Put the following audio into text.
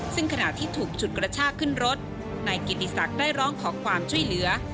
ซึ่งขณะที่ถูกฉุดกระชากขึ้นรถนายกิติศักดิ์ได้ร้องขอความช่วยเหลือ